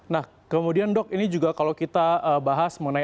nah kemudian dok ini juga kalau kita bahas mengenai